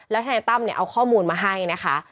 ทนายตั้มเนี่ยเอาข้อมูลมาให้นะคะ